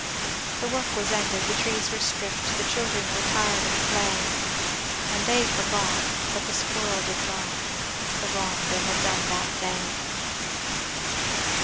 "The work was ended the trees were stripped The children were 'tired of play.' And they forgot (but the squirrel did not) The wrong they had done that day."